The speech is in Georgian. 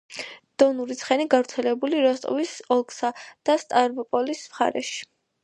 დონური ცხენი გავრცელებული როსტოვის ოლქსა და სტავროპოლის მხარეში.